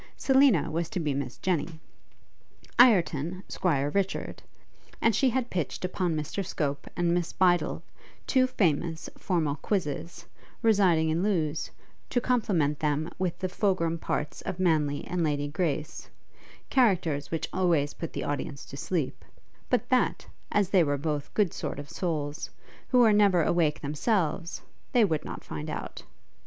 Selina was to be Miss Jenny; Ireton, 'Squire Richard; and she had pitched upon Mr Scope and Miss Bydel, two famous, formal quizzes, residing in Lewes, to compliment them with the fogrum parts of Manly and Lady Grace; characters which always put the audience to sleep; but that, as they were both good sort of souls, who were never awake themselves, they would not find out.